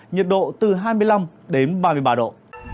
nhiệt độ từ hai mươi năm đến ba mươi ba độ